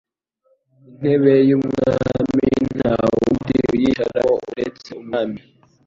Intebe y'umwami ntawundi uyicaramo uretse umwami